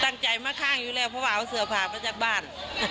ตั้งใจมาข้างอยู่แล้วเพราะว่าเอาเสือผ่ามาจากบ้าน